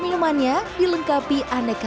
tidak ada alat yang lebih baik